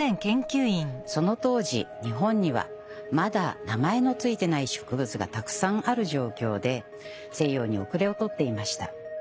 その当時日本にはまだ名前の付いてない植物がたくさんある状況で西洋に後れを取っていました。